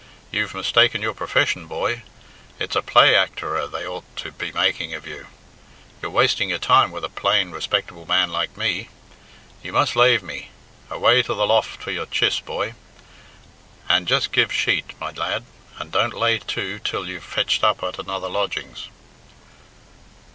"You've mistaken your profession, boy. It's a play actorer they ought to be making of you. You're wasting your time with a plain, respectable man like me. You must lave me. Away to the loft for your chiss, boy! And just give sheet, my lad, and don't lay to till you've fetched up at another lodgings."